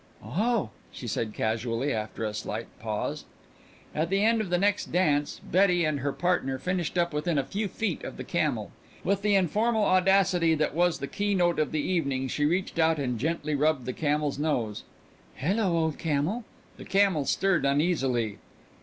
"Oh," she said casually after a slight pause. At the end of the next dance Betty and her partner finished up within a few feet of the camel. With the informal audacity that was the key note of the evening she reached out and gently rubbed the camel's nose. "Hello, old camel." The camel stirred uneasily.